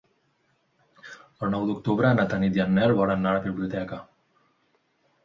El nou d'octubre na Tanit i en Nel volen anar a la biblioteca.